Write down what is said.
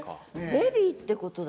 ベリーってことだ。